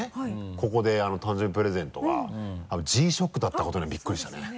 ここで誕生日プレゼントがＧ−ＳＨＯＣＫだったことにはびっくりしたね。